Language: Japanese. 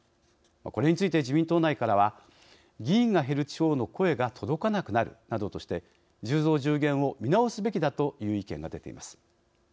これについて、自民党内からは議員が減る地方の声が届かなくなるなどとして１０増１０減を見直すべきだという意見が出ています。